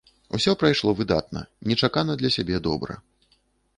Усё прайшло выдатна, нечакана для сябе добра.